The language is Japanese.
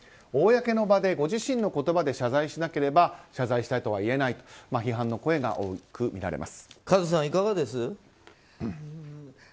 公の場でご自身の言葉で謝罪しなければ謝罪したとは言えないという和津さん、いかがです？